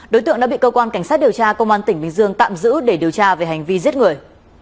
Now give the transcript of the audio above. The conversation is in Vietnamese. đối tượng đã bị cơ quan cảnh sát điều tra công an tỉnh bình dương tạm giữ để điều tra về hành vi giết người